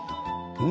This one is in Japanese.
うん？